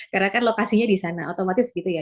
karena kan lokasinya di sana otomatis gitu ya